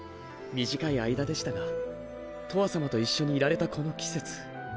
短い間でしたがとわさまと一緒にいられたこの季節